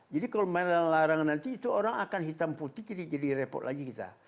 jadi kalau melarang nanti itu orang akan hitam putih jadi repot lagi kita